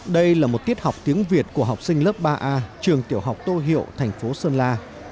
đây là một tiết học tiếng việt của học sinh lớp ba a trường tiểu học tô hiệu thành phố sơn la